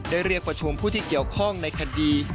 เรียกประชุมผู้ที่เกี่ยวข้องในคดี